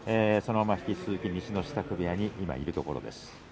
そのまま引き続き西の支度部屋に今いるところです。